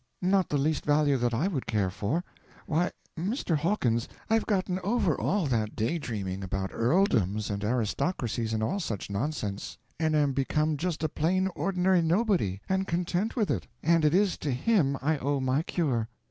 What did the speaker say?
"Not the least value that I would care for. Why, Mr. Hawkins, I've gotten over all that day dreaming about earldoms and aristocracies and all such nonsense and am become just a plain ordinary nobody and content with it; and it is to him I owe my cure.